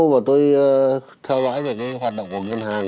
và tôi theo dõi về cái hoạt động của ngân hàng